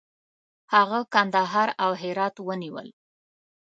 هغه کندهار او هرات ونیول.